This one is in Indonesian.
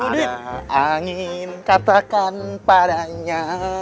ada angin katakan padanya